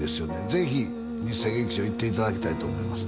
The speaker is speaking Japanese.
ぜひ日生劇場行っていただきたいと思いますね